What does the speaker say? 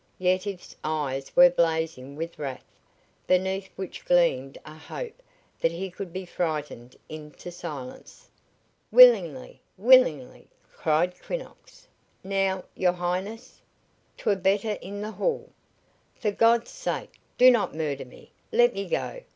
Yetive's eyes were blazing with wrath, beneath which gleamed a hope that he could be frightened into silence. "Willingly willingly!" cried Quinnox. "Now, your Highness? 'Twere better in the hall!" "For God's sake, do not murder me! Let me go!"